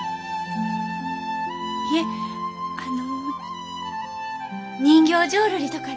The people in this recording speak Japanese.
いえあの人形浄瑠璃とかで。